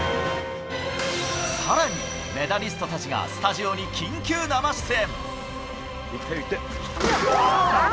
さらにメダリストたちがスタジオに緊急生出演。